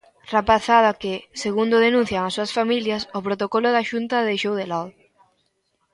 Rapazada que, segundo denuncian as súas familias, o protocolo da Xunta deixou de lado.